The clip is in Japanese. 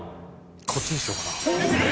こっちにしようかな。